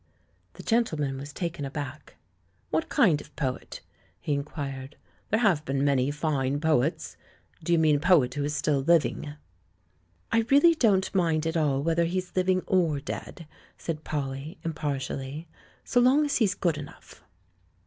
The gentleman was taken aback. "What kind of poet?" he inquired. "There have been many fine poets. ... Do you mean a poet who is still living?" "I really don't mind at all whether he's living or dead," said Polly, impartially, "so long as he's good enough."